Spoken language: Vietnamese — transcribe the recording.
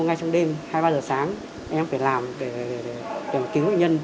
ngay trong đêm hai mươi ba giờ sáng em phải làm để cứu bệnh nhân